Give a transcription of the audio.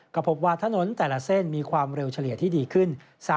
ก็พบว่าถนนแต่ละเส้นมีความเร็วเฉลี่ยที่ดีขึ้น